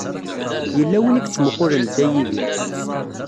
Yella win i yettmuqqulen Dda Yidir.